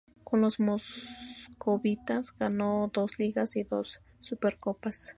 Con los moscovitas ganó dos Ligas y dos Supercopas.